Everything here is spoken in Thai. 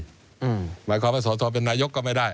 หมายความว่าสอทรเป็นนายกก็ไม่ได้